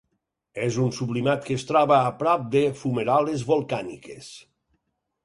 És un sublimat que es troba a prop de fumaroles volcàniques.